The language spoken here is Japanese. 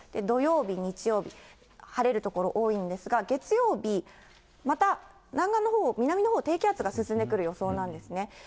土曜日、日曜日、晴れる所多いんですが、月曜日、また南岸のほう、南のほう、低気圧が進んでくる予想なんですね。